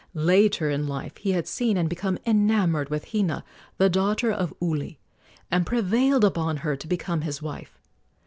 Later in life he had seen and become enamored of Hina, the daughter of Uli, and prevailed upon her to become his wife.